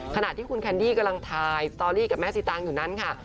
ขณะที่คุณแคนดี้กำลังถ่ายสตอรี่กับแม่สีตางอยู่นั้นค่ะ